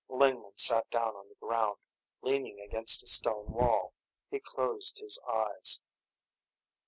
Lingman sat down on the ground, leaning against a stone wall. He closed his eyes.